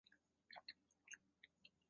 成城大学名誉教授。